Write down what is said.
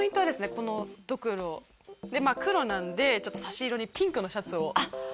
このドクロ黒なんで差し色にピンクのシャツをあっ